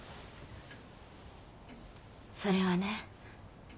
それはね